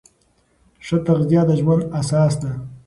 ښه تغذیه د ژوند اساس ده.